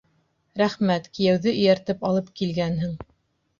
Рәхмәт, кейәүҙе эйәртеп алып килгәнһең.